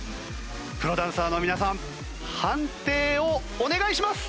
プロダンサーの皆さん判定をお願いします。